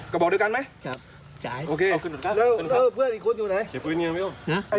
ก็บอกเดียวกันมั้ย